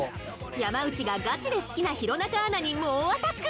山内がガチで好きな弘中アナに猛アタック！